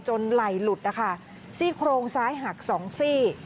ไหล่หลุดนะคะซี่โครงซ้ายหักสองซี่